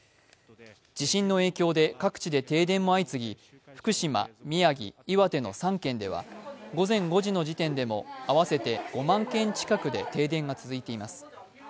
地震の影響で各地で停電も相次ぎ、福島、宮城、岩手の３県では午前５時の時点でも合わせて５万軒近くで停電が続いています。